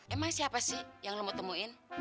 emang siapa sih yang lo mau temuin